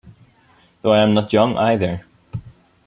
Though I am not young, either.